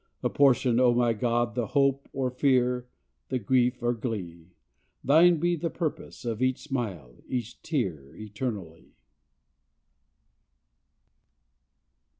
Apportion, O my God, the hope or fear, The grief or glee! Thine be the purpose of each smile, each tear Eternally.